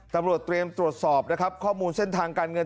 ตรวจตรวจสอบน้ำข้อมูลเส้นทางการเงิน